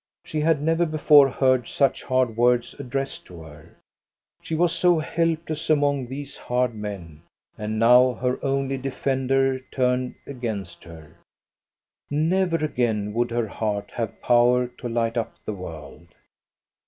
She had never before heard such hard words addressed to her. She was so helpless among these hard men, and now her only 13 194 THE STORY OF GOSTA BE RUNG defender turned against her. Never again would her heart have power to light up the world.